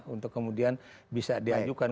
untuk kemudian bisa diajukan